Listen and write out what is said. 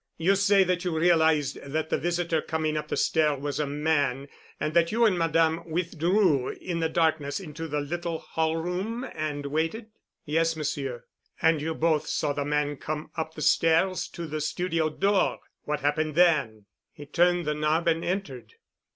You say that you realized that the visitor coming up the stair was a man and that you and Madame withdrew in the darkness into the little hall room and waited?" "Yes, Monsieur." "And you both saw the man come up the stairs to the studio door. What happened then?" "He turned the knob and entered."